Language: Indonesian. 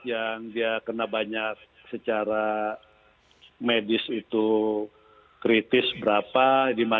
yang dia kena banyak secara medis itu kritis berapa